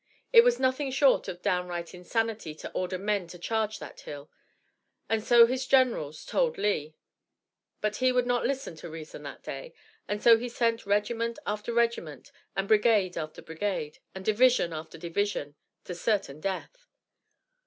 It was nothing short of downright insanity to order men to charge that hill; and so his generals told Lee, but he would not listen to reason that day, and so he sent regiment after regiment, and brigade after brigade, and division after division, to certain death.